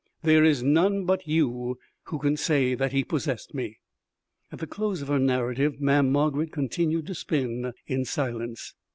There is none but you who can say that he possessed me.'" At the close of her narrative, Mamm' Margarid continued to spin in silence.